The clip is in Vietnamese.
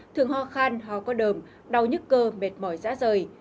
thường ho khan ho có đờm đau nhức cơ mệt mỏi giã rời